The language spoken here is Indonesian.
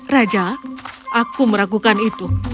raja aku meragukan itu